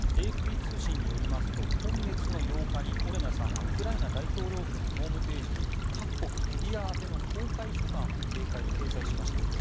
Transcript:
ＡＦＰ通信によりますと今月８日にオレナさんはウクライナ大統領府のホームページに各国メディア宛ての公開書簡を掲載しました。